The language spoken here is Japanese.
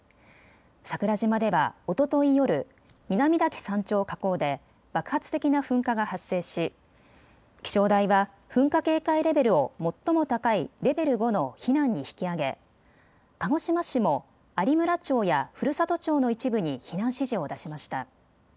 桜島ではおととい夜、南岳山頂火口で爆発的な噴火が発生し気象台は噴火警戒レベルを最も高いレベル５の避難に引き上げ鹿児島市も有村町や古里町の一部に避難指示を出しました。